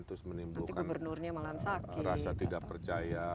terus menimbulkan rasa tidak percaya